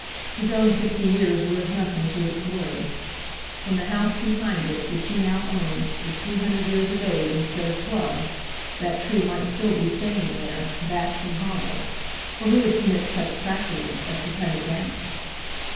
His own fifty years were as nothing to its wood. When the house behind it, which he now owned, was three hundred years of age instead of twelve, that tree might still be standing there, vast and hollow—for who would commit such sacrilege as to cut it down?